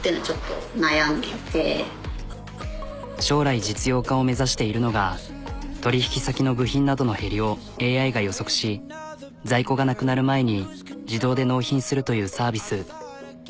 将来実用化を目指しているのが取引先の部品などの減りをＡＩが予測し在庫がなくなる前に自動で納品するというサービス。